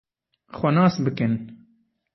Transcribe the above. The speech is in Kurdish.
Xwe nas bikin!